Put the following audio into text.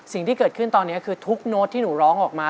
สิ่งที่เกิดขึ้นตอนนี้คือทุกโน้ตที่หนูร้องออกมา